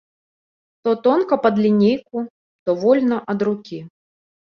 То тонка пад лінейку, то вольна ад рукі.